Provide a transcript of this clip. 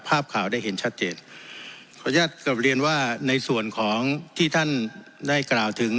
ภาพข่าวได้เห็นชัดเจนขออนุญาตกลับเรียนว่าในส่วนของที่ท่านได้กล่าวถึง